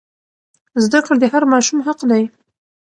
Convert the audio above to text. زده کړه د هر ماشوم حق دی.